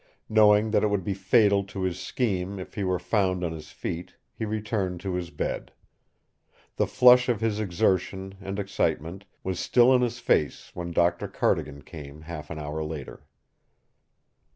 Knowing that it would be fatal to his scheme if he were found on his feet, he returned to his bed. The flush of his exertion and excitement was still in his face when Doctor Cardigan came half an hour later.